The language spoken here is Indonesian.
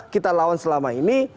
kita lawan selama ini